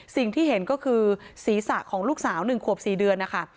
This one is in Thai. สิ่งที่เห็นก็คือศีรษะของลูกสาว๑ขวบ๔เดือนนะคะ